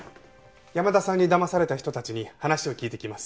山田さんに騙された人たちに話を聞いてきます。